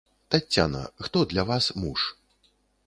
Таццяна, хто для вас муж?